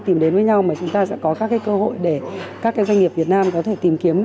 tìm đến với nhau mà chúng ta sẽ có các cơ hội để các doanh nghiệp việt nam có thể tìm kiếm